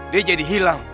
dia jadi hilang